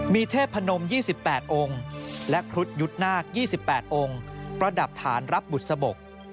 มีเทพนม๒๘องค์และครุฑยุทธ์นาค๒๘องค์ประดับฐานรับบุษบก